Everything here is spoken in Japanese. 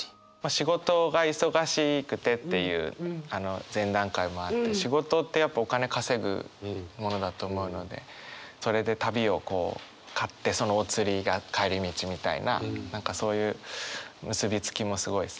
仕事が忙しくてっていう前段階もあって仕事ってやっぱお金稼ぐものだと思うのでそれで旅をこう買ってそのお釣りが帰り道みたいな何かそういう結び付きもすごいすてきだなと思ったりしました。